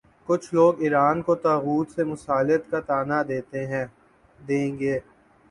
کچھ لوگ ایران کو طاغوت سے مصالحت کا طعنہ دیں گے۔